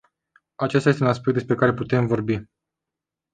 Acesta este un aspect despre care putem vorbi.